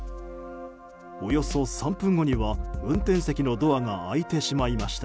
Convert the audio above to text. およそ３分後には運転席のドアが開いてしまいました。